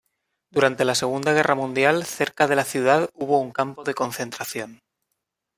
Durante la Segunda Guerra Mundial cerca de la ciudad hubo un campo de concentración.